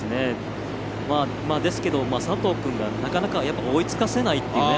ですけど、佐藤君がなかなか追いつかせないっていう。